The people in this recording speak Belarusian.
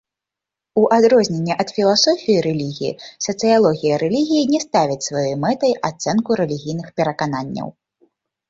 У адрозненне ад філасофіі рэлігіі, сацыялогія рэлігіі не ставіць сваёй мэтай ацэнку рэлігійных перакананняў.